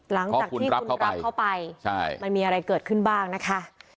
หลังจากที่คุณรับเข้าไปมันมีอะไรเกิดขึ้นบ้างนะคะ